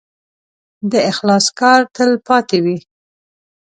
د اخلاص کار تل پاتې وي.